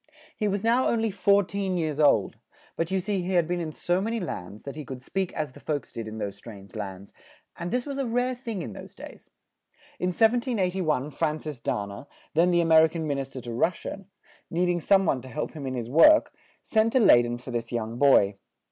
He was now on ly four teen years old; but you see he had been in so ma ny lands, that he could speak as the folks did in those strange lands, and this was a rare thing in those days. In 1781 Fran cis Da na, then the A mer i can Min is ter to Rus sia, need ing some one to help him in his work, sent to Ley den for this young boy.